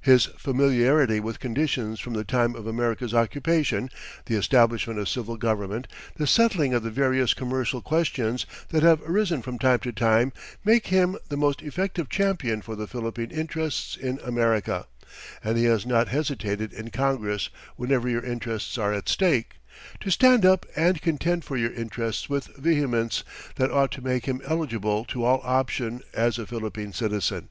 His familiarity with conditions from the time of America's occupation, the establishment of civil government, the settling of the various commercial questions that have arisen from time to time, make him the most effective champion for the Philippine interests in America, and he has not hesitated in Congress whenever your interests are at stake, to stand up and contend for your interests with vehemence that ought to make him eligible to all option as a Philippine citizen....